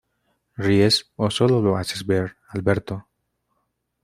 ¿Ríes o sólo lo haces ver, Alberto?